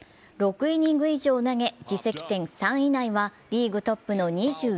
６イニング以上を投げ自責点３以内はリーグトップの２３。